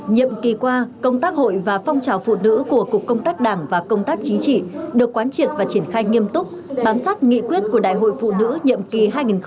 nhiệm kỳ qua công tác hội và phong trào phụ nữ của cục công tác đảng và công tác chính trị được quán triệt và triển khai nghiêm túc bám sát nghị quyết của đại hội phụ nữ nhiệm kỳ hai nghìn một mươi năm hai nghìn hai mươi